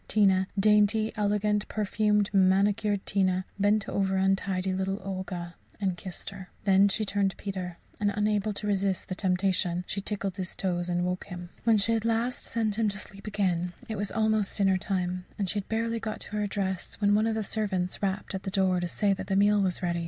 Tina dainty, elegant, perfumed, manicured Tina bent over untidy little Olga and kissed her. Then she turned to Peter, and, unable to resist the temptation, tickled his toes and woke him. When she had at last sent him to sleep again, it was almost dinner time; and she had barely got into her dress when one of the servants rapped at the door to say that the meal was ready.